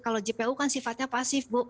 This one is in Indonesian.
kalau jpu kan sifatnya pasif bu